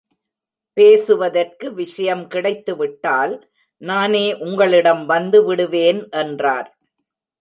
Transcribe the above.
பேசுவதற்கு விஷயம் கிடைத்து விட்டால், நானே உங்களிடம் வந்து விடுவேன் என்றார்.